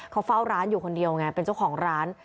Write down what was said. เขาเฝ้าร้านอยู่คนเดียวไงเป็นเจ้าของร้าน